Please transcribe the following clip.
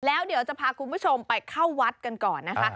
แล้วเดี๋ยวจะพาคุณผู้ชมไปเข้าวัดกันก่อนนะคะ